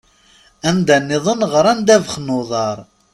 Anda-nniḍen, ɣran ddabex n uḍar.